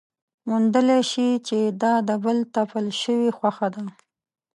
موندلی شي چې دا د بل تپل شوې خوښه ده.